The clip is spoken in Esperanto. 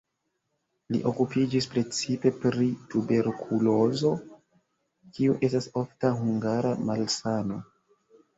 Li okupiĝis precipe pri tuberkulozo, kiu estas ofta hungara malsano.